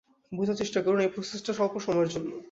বোঝার চেষ্টা করুন, এই প্রসেসটা স্বল্প সময়ের জন্য!